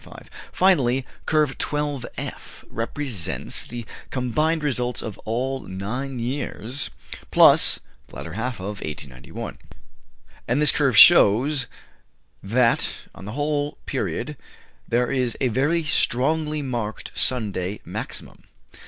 Finally, Curve 12 F represents the combined results of all nine years plus (the latter half of) 1891; and this curve shows that, on the whole period, there is a very strongly marked Sunday maximum.